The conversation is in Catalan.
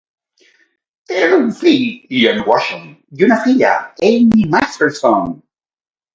Tenen un fill, Ian Washam, i una filla, Amy Masterson.